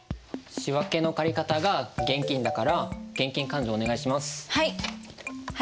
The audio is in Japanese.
仕訳の借方が現金だから現金勘定お願いします。